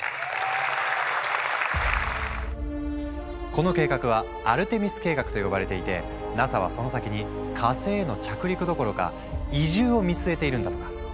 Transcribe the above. この計画は「アルテミス計画」と呼ばれていてＮＡＳＡはその先に火星への着陸どころか移住を見据えているんだとか。